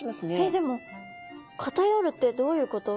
でも片寄るってどういうこと？